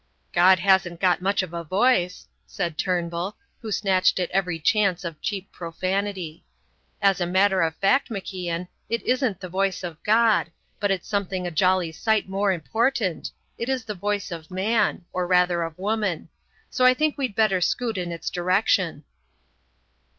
"God hasn't got much of a voice," said Turnbull, who snatched at every chance of cheap profanity. "As a matter of fact, MacIan, it isn't the voice of God, but it's something a jolly sight more important it is the voice of man or rather of woman. So I think we'd better scoot in its direction."